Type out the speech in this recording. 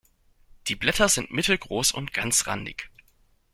Die Blätter sind mittelgroß und ganzrandig.